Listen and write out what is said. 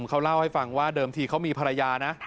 เขาเล่าให้ฟังว่าเดิมทีเขามีภรรยานะ